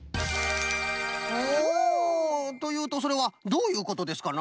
おお！というとそれはどういうことですかな？